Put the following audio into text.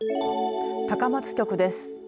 高松局です。